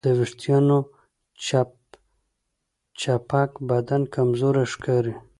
د وېښتیانو چپچپک بدن کمزوری ښکاري.